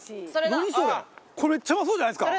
これめっちゃうまそうじゃないですか？